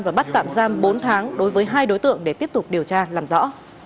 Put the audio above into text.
và bắt tạm giam bốn tháng đối với hai đối tượng để tiếp tục điều tra làm rõ